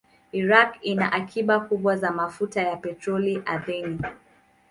Iraq ina akiba kubwa za mafuta ya petroli ardhini.